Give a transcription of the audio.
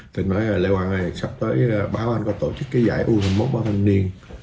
thì nói lê quang sắp tới báo anh có tổ chức cái giải u hai mươi một bảo thanh niên